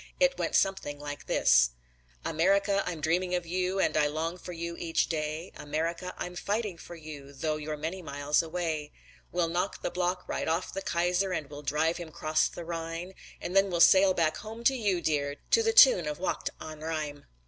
It went something like this: America, I'm dreaming of you And I long for you each day America, I'm fighting for you Tho' you're many miles away We'll knock the block right off the Kaiser And we'll drive them 'cross the Rhine And then we'll sail back home to you, dear To the tune of "Wacht am Rhein"!